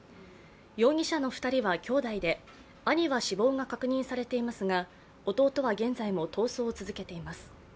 容疑者の２人は兄弟で兄は死亡が確認されていますが弟は現在も逃走を続けています。